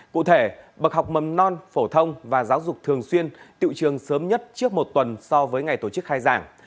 cụ thể bậc học mầm non phổ thông và giáo dục thường xuyên tiệu trường sớm nhất trước một tuần so với ngày tổ chức khai giảng